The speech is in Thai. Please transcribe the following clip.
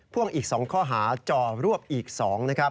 พ่วงอีกสองข้อหาจ่อรวบอีกสอง